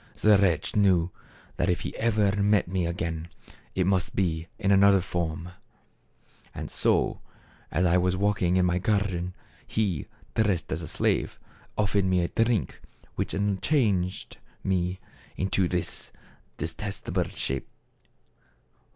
The wretch knew that if he ever met me again it must be in another form ; so, as I was walking in my garden, he, dressed as a slave, offered me a drink which changed me into this detestable shape.